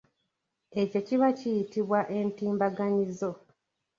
Ekyo kiba kiyitibwa entimbaganyizo.